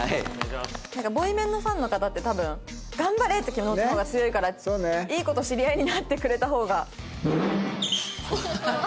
なんかボイメンのファンの方って多分頑張れって気持ちの方が強いからいい子と知り合いになってくれた方が。